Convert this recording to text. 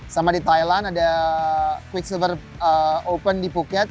sama di thailand ada quicksilver open di phuket